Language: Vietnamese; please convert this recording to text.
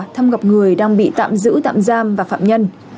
thăm gặp người đang bị tạm giữ tạm giam và phạm nhân